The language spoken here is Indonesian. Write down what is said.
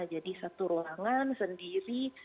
jadi satu ruangan sendiri